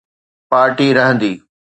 Party رهندي.